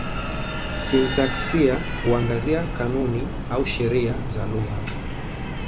Sintaksia huangazia kanuni au sheria za lugha.